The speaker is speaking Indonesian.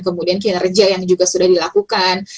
kemudian kinerja yang juga sudah dilakukan